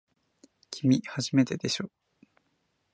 きみ、初めてでしょ。